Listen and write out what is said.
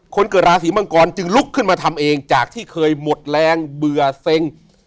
คนเกิดราศีมังกรจึงลุกขึ้นมาทำเองจากที่เคยหมดแรงเบื่อเซ็ง